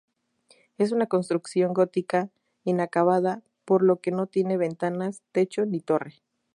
Es una construcción gótica inacabada, por lo que no tiene ventanas, techo ni torre.